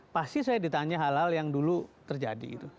pasti saya ditanya hal hal yang dulu terjadi